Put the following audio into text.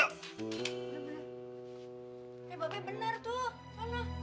eh bapak benar tuh